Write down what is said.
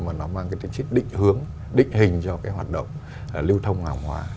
mà nó mang cái chính trích định hướng định hình cho cái hoạt động lưu thông hàng hóa